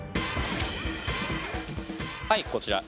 はいこちら。